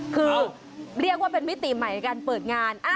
คือเรียกว่าเป็นมิติใหม่การเปิดงาน